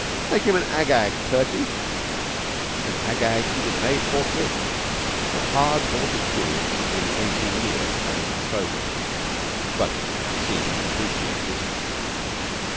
"Make him an Ag Ag, Turkey!" And an Ag Ag was he made, forthwith. The hard bought experience of nearly eighteen years was at his disposal, but he did not seem to appreciate it.